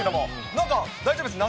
なんか、大丈夫ですか？